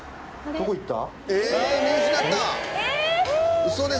どこ行った？